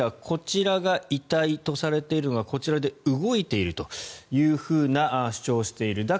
こちらが遺体とされているのがこちらで動いているというふうな主張をしている。